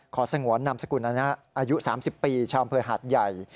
สงวนนามสกุลนะอายุ๓๐ปีชาวอำเภอหาดใหญ่